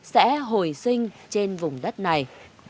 sẽ hồi sinh trên vùng đất này